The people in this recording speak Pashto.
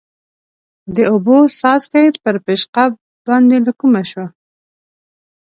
د اوبو څاڅکي پر پېشقاب باندې له کومه شول؟